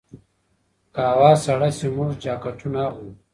که هوا سړه شي، موږ جاکټونه اغوندو.